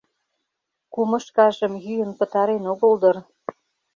— Кумышкажым йӱын пытарен огыл дыр.